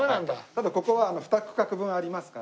ただここは２区画分ありますから。